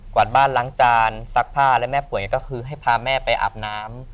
วาดบ้านล้างจานซักผ้าและแม่ป่วยก็คือให้พาแม่ไปอาบน้ำ